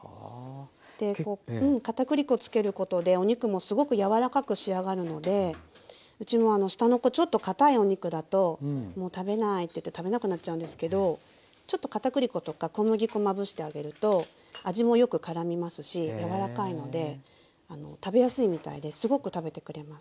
で片栗粉付けることでお肉もすごく柔らかく仕上がるのでうちも下の子ちょっとかたいお肉だともう食べないって言って食べなくなっちゃうんですけどちょっと片栗粉とか小麦粉まぶしてあげると味もよくからみますし柔らかいので食べやすいみたいですごく食べてくれます。